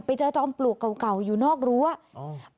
ไปเจอยอมปลวกเก่าเก่าอยู่นอกร้วมฮะอืม